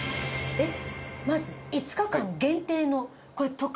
えっ？